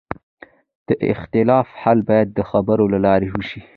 د اختلاف حل باید د خبرو له لارې وشي